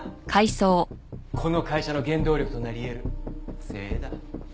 この会社の原動力となり得る精鋭だ。